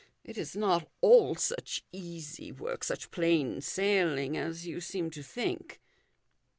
It is not all such easy work, such plain sailing as you seem to think."